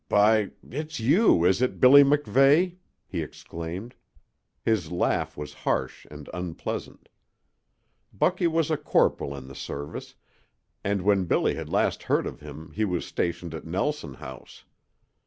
"By It's you, is it, Billy MacVeigh!" he exclaimed. His laugh was harsh and unpleasant. Bucky was a corporal in the service, and when Billy had last heard of him he was stationed at Nelson House.